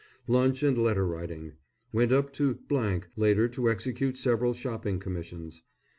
Lunch and letter writing. Went up to later to execute several shopping commissions.